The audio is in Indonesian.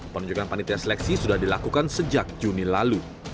penunjukan panitia seleksi sudah dilakukan sejak juni lalu